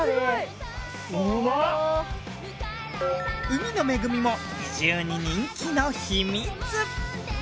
海の恵みも移住に人気のひみつ。